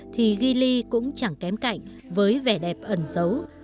thì gili cũng chẳng kém cạnh với vẻ đẹp ẩn xấu